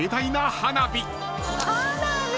花火！